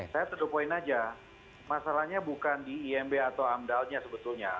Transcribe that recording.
saya terdopoin aja masalahnya bukan di imb atau amdalnya sebetulnya